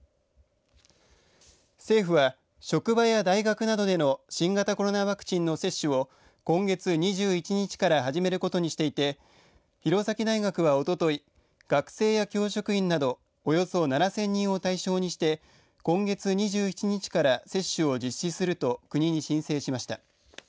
政府は職場や大学などでの新型コロナワクチンの接種を今月２１日から始めることにしていて弘前大学は、おととい学生や教職員などおよそ７０００人を対象にして今月２７日から接種を実施すると国に申請しました。